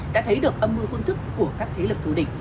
đã thấy được âm mưu phương thức của các thế lực thù địch